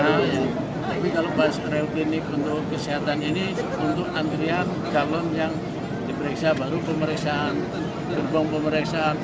tapi kalau pas rel klinik untuk kesehatan ini untuk antrian galem yang diperiksa baru pemeriksaan gerbong pemeriksaan umum